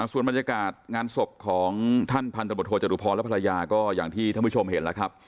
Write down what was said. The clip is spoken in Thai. ส่วนบรรยากาศงานศพของท่านพันธบทโทจรุพรและภรรยาก็อย่างที่ท่านผู้ชมเห็นแล้วครับ